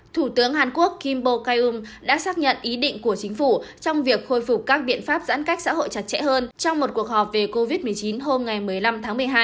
thủ tướng hàn quốc kim bo caium đã xác nhận ý định của chính phủ trong việc khôi phục các biện pháp giãn cách xã hội chặt chẽ hơn trong một cuộc họp về covid một mươi chín hôm ngày một mươi năm tháng một mươi hai